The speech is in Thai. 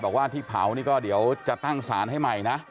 บอกว่าที่เผานี่ก็เดี๋ยวจะตั้งสารให้ใหม่นะ